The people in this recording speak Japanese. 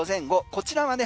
こちらはね